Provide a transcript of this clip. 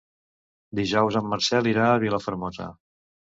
Dijous en Marcel irà a Vilafermosa.